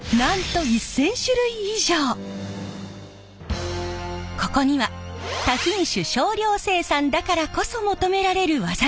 ここには多品種少量生産だからこそ求められる技があるんです。